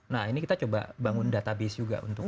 nah ini kita coba bangun database juga untuk